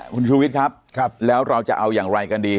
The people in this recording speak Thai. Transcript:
คุณชูวิทย์ครับแล้วเราจะเอาอย่างไรกันดี